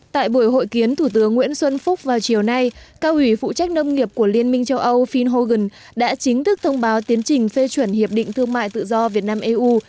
tại buổi hội kiến thủ tướng nguyễn xuân phúc vào chiều nay cao ủy phụ trách nông nghiệp của liên minh châu âu phil hogan đã chính thức thông báo tiến trình phê chuẩn hiệp định thương mại tự do việt nam eu